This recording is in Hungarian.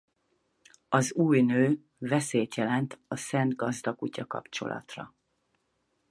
Az új nő veszélyt jelent a szent gazda-kutya kapcsolatra.